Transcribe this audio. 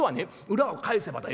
裏を返せばだ